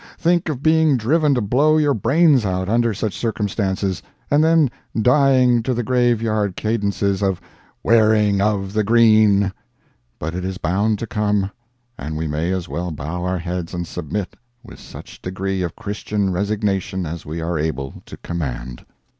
Think of being driven to blow your brains out under such circumstances, and then dying to the grave yard cadences of "Wearing of the Green!" But it is bound to come, and we may as well bow our heads and submit with such degree of Christian resignation as we are able to command.